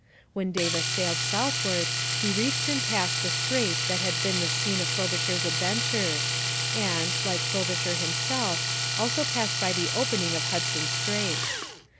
When Davis sailed southward he reached and passed the strait that had been the scene of Frobisher's adventures and, like Frobisher himself, also passed by the opening of Hudson Strait.